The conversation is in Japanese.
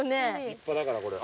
立派だからこれ。